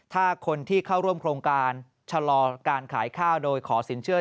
ถ้าคนที่เข้าร่วมโครงการชะลอการขายข้าวโดยขอสินเชื่อ